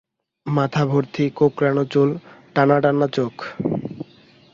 মাথাভর্তি কোঁকড়ানো চুল টানা টানা চোখ।